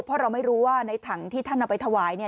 เพราะเราไม่รู้ว่าในถังที่ท่านเอาไปถวายเนี่ย